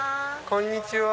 こんにちは。